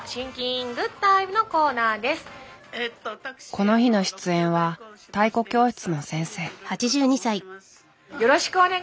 この日の出演は太鼓教室の先生。